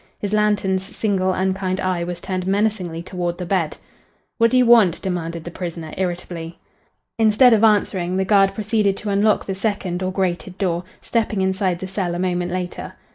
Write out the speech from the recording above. His lantern's single unkind eye was turned menacingly toward the bed. "What do you want?" demanded the prisoner, irritably. Instead of answering, the guard proceeded to unlock the second or grated door, stepping inside the cell a moment later.